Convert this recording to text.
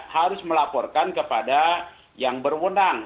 harus melaporkan kepada yang berwenang